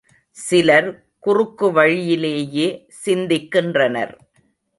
சிலர் குறுக்குவழியிலேயே சிந்தின்கின்றனர்.